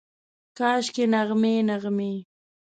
کاشکي، نغمې، نغمې